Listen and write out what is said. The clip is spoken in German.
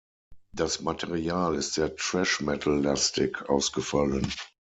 Das Material ist sehr Thrash-Metal-lastig ausgefallen.